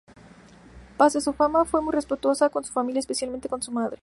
Pese a su fama, fue muy respetuosa con su familia, especialmente con su madre.